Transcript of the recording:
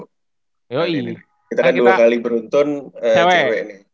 kita kan dua kali beruntun cewek nih